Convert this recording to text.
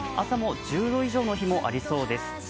朝も１０度以上の日もありそうです。